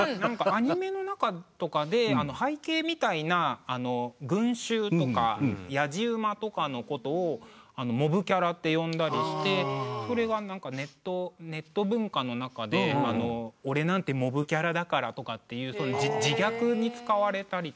アニメの中とかで背景みたいな群集とかやじ馬とかのことを「モブキャラ」って呼んだりしてそれがなんかネット文化の中でとかっていう自虐に使われたりとか。